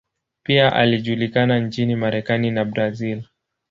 Pia alijulikana nchini Marekani na Brazil.